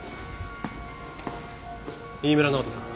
飯村直人さん